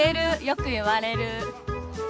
よく言われる。